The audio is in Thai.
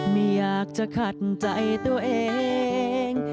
ไม่อยากจะขัดใจตัวเอง